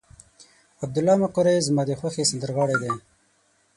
عبدالله مقری زما د خوښې سندرغاړی دی.